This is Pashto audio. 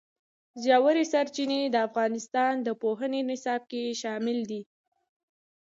ژورې سرچینې د افغانستان د پوهنې نصاب کې شامل دي.